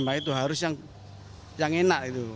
maka itu harus yang enak gitu